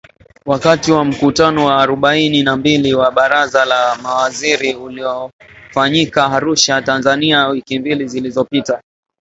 Wakati wa mkutano wa arobaini na mbili wa Baraza la Mawaziri uliofanyika Arusha, Tanzania wiki mbili zilizopita